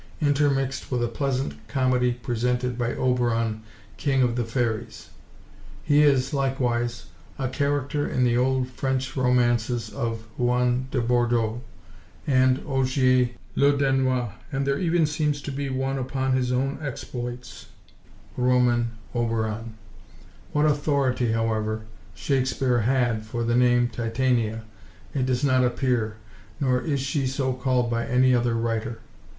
intermixed with a pleasant comedie presented by Oberon, king of the fairies." He is, likewise, a character in the old French romances of Huon de Bourdeaux, and Ogier le Danois; and there even seems to be one upon his own exploits, Roman d' Auberon. What authority, however, Shakespeare had for the name Titania, it does not appear, nor is she so called by any other writer.